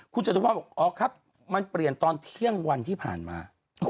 คุณจตุพรบอกอ๋อครับมันเปลี่ยนตอนเที่ยงวันที่ผ่านมา